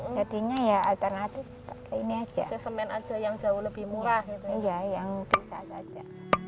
jadinya ya alternatif pakai ini aja